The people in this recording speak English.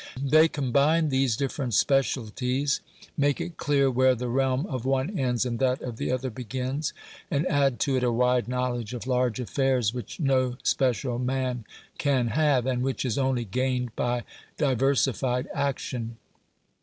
They combine these different specialities make it clear where the realm of one ends and that of the other begins, and add to it a wide knowledge of large affairs, which no special man can have, and which is only gained by diversified action.